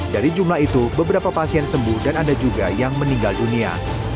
dari jumlah itu beberapa pasien sembuh dan ada juga yang meninggal dunia